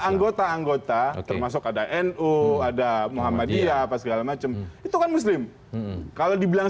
anggota anggota termasuk ada nu ada muhammadiyah apa segala macam itu kan muslim kalau dibilang